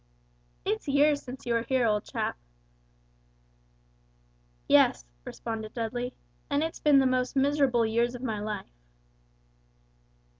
"It's years since you were here, old chap." "Yes," responded Dudley, "and it's been the most miserablest years of my life."